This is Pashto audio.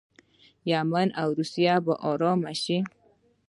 یمن او سوریه به ارام شي.